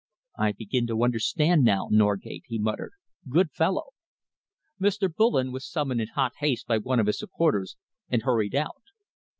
"I begin to understand now, Norgate," he muttered. "Good fellow!" Mr. Bullen was summoned in hot haste by one of his supporters and hurried out.